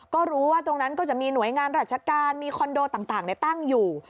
ก็รู้ว่าตรงนั้นก็จะมีหน่วยงานราชการมีคอนโดต่างตั้งอยู่